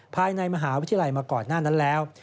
ภายในมหาวิทยาลัยมาก่อนหน้านั้นแล้ว